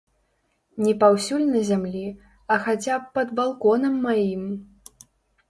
Не паўсюль на зямлі, а хаця б пад балконам маім.